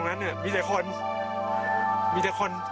สวัสดีครับทุกคน